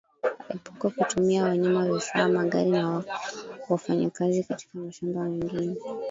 Epuka kutumia wanyama vifaa magari na wafanyakazi kutoka mashamba mengine